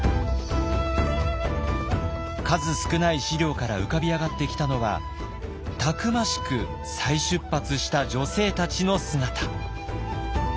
数少ない資料から浮かび上がってきたのはたくましく再出発した女性たちの姿。